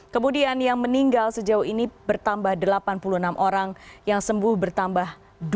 kemudian yang meninggal sejauh ini bertambah delapan puluh enam orang yang sembuh bertambah dua lima ratus empat puluh dua